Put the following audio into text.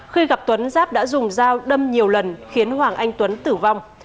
khi gặp tuấn giáp đã dùng dao đâm nhiều lần khiến hoàng anh tuấn tử vong